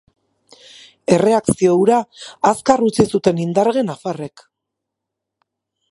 Erreakzio hura azkar utzi zuten indarge nafarrek.